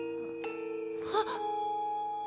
あっ！